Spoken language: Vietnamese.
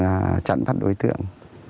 là chặn bắt đối tượng